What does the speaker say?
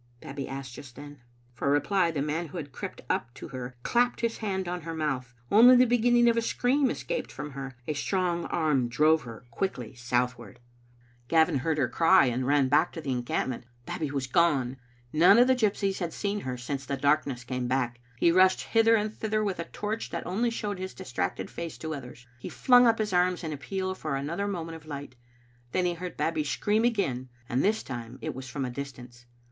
Babbie asked just then. For reply, the man who had crept up to her clapped his hand upon her mouth. Only the beginning of a scream escaped from her. A strong arm drove her quickly southward. Digitized by VjOOQ IC m Cbe Ifttte itinista. Gavin heard her cry, and ran back to the encamp ment. Babbie was gone. None of the gypsies had seen her since the darkness came back. He rushed hither and thither with a torch that only showed his distracted face to others. He flung up his arms in appeal for an other moment of light ; then he heard Babbie scream again, and this time it was from a distance.